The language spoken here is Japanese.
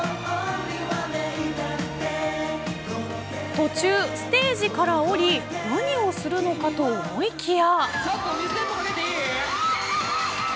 途中、ステージから降り何をするのかと思いきや。